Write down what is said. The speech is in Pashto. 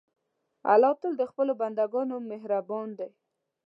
الله تل د خپلو بندهګانو مهربان دی.